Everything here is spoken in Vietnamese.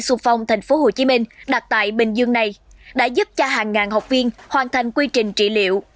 điên xuân phong thành phố hồ chí minh đặt tại bình dương này đã giúp cho hàng ngàn học viên hoàn thành quy trình trị liệu